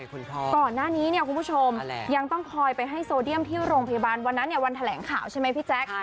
ก่อนหน้านี้เนี่ยคุณผู้ชมยังต้องคอยไปให้โซเดียมที่โรงพยาบาลวันนั้นเนี่ยวันแถลงข่าวใช่ไหมพี่แจ๊ค